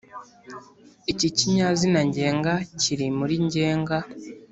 iki kinyazina ngenga kiri muri ngenga